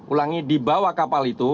ulangi di bawah kapal itu